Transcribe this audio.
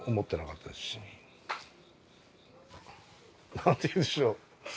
何て言うんでしょう。